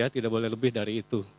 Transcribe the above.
tidak boleh lebih dari itu